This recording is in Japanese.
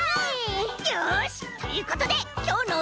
よしということできょうのおだいはこれ！